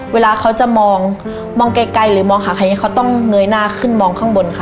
เวลาเขาจะมองมองไกลหรือมองหาใครเขาต้องเงยหน้าขึ้นมองข้างบนค่ะ